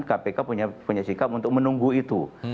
kpk punya sikap untuk menunggu itu